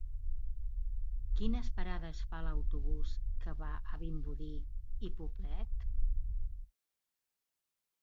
Quines parades fa l'autobús que va a Vimbodí i Poblet?